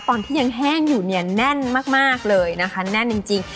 ตอนที่ยังแห้งอยู่เนี่ยแน่นมากเลยนะคะแน่นจริง